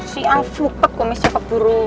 si al fukbek mikirnya ke buru